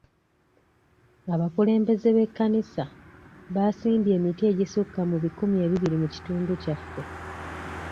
Abakulembeze b'ekkanisa baasimbye emiti egisukka mu bikumi ebibiri mu kitundu kyaffe.